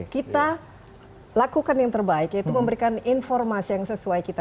kita lakukan yang terbaik yaitu memberikan informasi yang sesuai kita